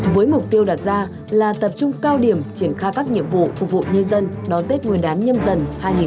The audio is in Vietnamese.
với mục tiêu đặt ra là tập trung cao điểm triển khai các nhiệm vụ phục vụ nhân dân đón tết nguyên đán nhâm dần hai nghìn hai mươi bốn